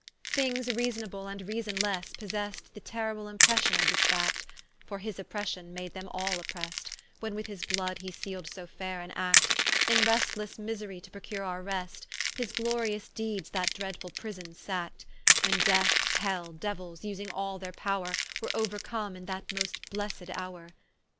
Things reasonable, and reasonlesse possest The terrible impression of this fact; For his oppression made them all opprest, When with his blood he seal'd so faire an act, In restlesse miserie to procure our rest; His glorious deedes that dreadfull prison sackt: When Death, Hell, Diuells, vsing all their powre, Were ouercome in that most blessed houre.